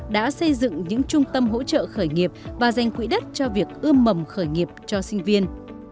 đã xây dựng những trung tâm hỗ trợ khởi nghiệp và dành quỹ đất cho việc ươm mầm khởi nghiệp cho sinh viên